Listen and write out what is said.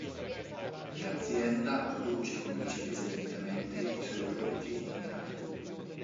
L'azienda produce e commercializza direttamente i suoi prodotti in Italia.